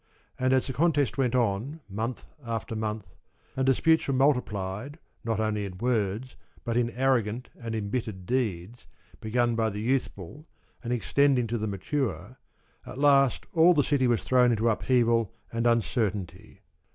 And as the contest went on month after month, and disputes were multiplied not only in words but in arrogant and em bittered deeds begun by the youthful and extending to the mature, at last all the city was thrown into upheaval and uncertainty.